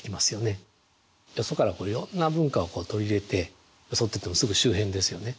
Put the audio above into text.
よそからいろんな文化を取り入れてそうといってもすぐ周辺ですよね。